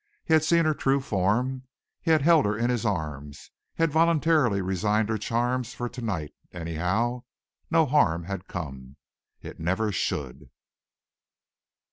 He had seen her true form. He had held her in his arms. He had voluntarily resigned her charms for tonight; anyhow, no harm had come. It never should.